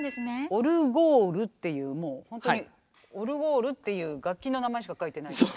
オルゴールっていうもう本当にオルゴールっていう楽器の名前しか書いてないですね。